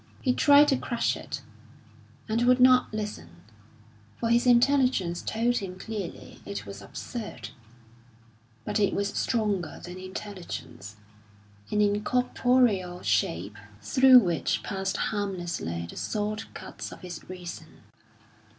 He tried to crush it, and would not listen, for his intelligence told him clearly it was absurd; but it was stronger than intelligence, an incorporeal shape through which passed harmlessly the sword cuts of his reason.